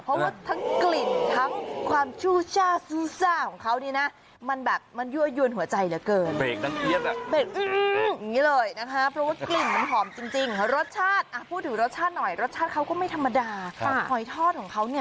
เพราะว่าทั้งกลิ่นทั้งความชู่ช่าสู้ช่าของเขามันแบบมันยั่วย่วนหัวใจเหลือเกิน